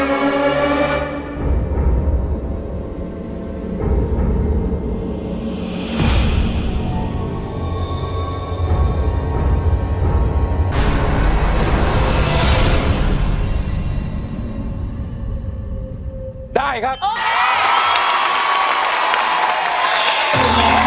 มูลค่าสองหมื่นบาท